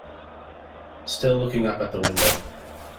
Still looking up at the window.